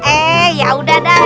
eh yaudah dah